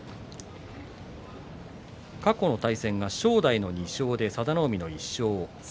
過去の対戦は正代の２勝佐田の海の１勝です。